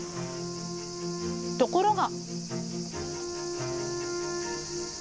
ところが。